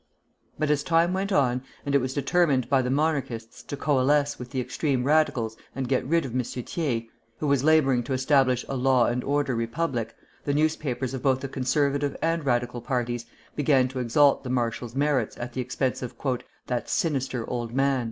But as time went on, and it was determined by the Monarchists to coalesce with the extreme Radicals and get rid of M. Thiers, who was laboring to establish a law and order Republic, the newspapers of both the Conservative and Radical parties began to exalt the marshal's merits at the expense of "that sinister old man," M.